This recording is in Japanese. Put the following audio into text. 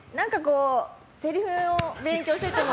せりふを勉強してても。